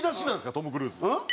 トム・クルーズ。